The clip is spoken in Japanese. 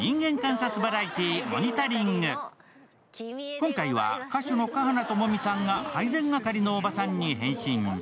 今回は歌手の華原朋美さんが配膳係のおばさんに変身。